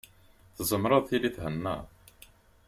Tzemreḍ tili thennaḍ.